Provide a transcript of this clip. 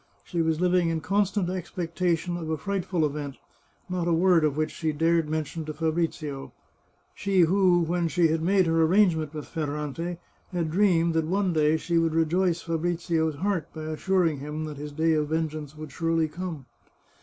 She was living in constant expectation of a frightful event, not a word of which she dared mention to Fabrizio — she who, when she had made her arrangement with Ferrante, had dreamed that one day she would rejoice Fabrizio's heart by assuring him that his day of vengeance would surely come.